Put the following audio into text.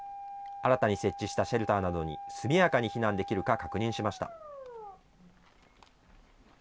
新たに設置したシェルターなどに、速やかに避難できるか確認しました。